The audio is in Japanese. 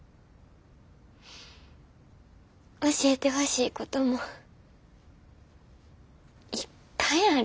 教えてほしいこともいっぱいある。